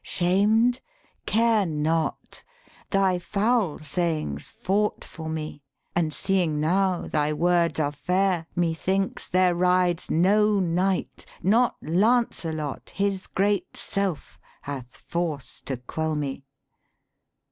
Shamed ? care not ! thy foul sayings fought for me And seeing now thy words are fair, methinks, There rides no knight, not Lancelot, his great self, Hath force to quell me.'